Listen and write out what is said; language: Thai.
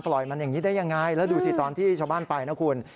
มันอย่างนี้ได้ยังไงแล้วดูสิตอนที่ชาวบ้านไปนะคุณ